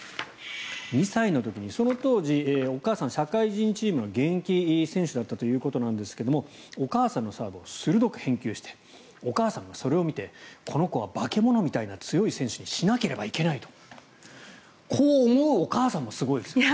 ２歳の時にその当時お母さんは社会人チームの現役選手だったということなんですがお母さんのサーブを鋭く返球してお母さんがそれを見てこの子は化け物みたいな強い選手にしなければいけないとこう思うお母さんもすごいですよね。